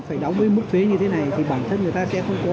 phòng kiểm tra số ba